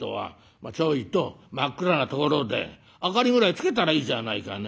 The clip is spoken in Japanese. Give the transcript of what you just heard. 真っ暗なところで明かりぐらいつけたらいいじゃないかね。